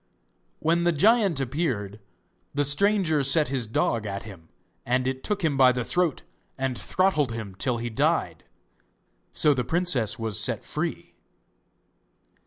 When the giant appeared the stranger set his dog at him, and it took him by the throat and throttled him till he died; so the princess was set free.